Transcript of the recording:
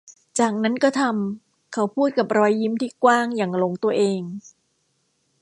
จากนั้นก็ทำ เขาพูดกับรอยยิ้มที่กว้างอย่างหลงตัวเอง